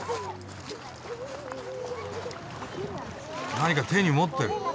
何か手に持ってる。